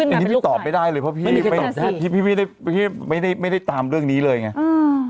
อันนี้พี่ตอบไม่ได้เลยเพราะพี่ไม่ได้ไม่ได้ตามเรื่องนี้เลยไง